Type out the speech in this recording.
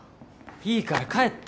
いいから帰って。